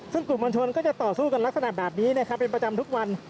ซึ่งกลุ่มมวลชนก็จะต่อสู้กันลักษณะแบบนี้เป็นประจำทุกวัน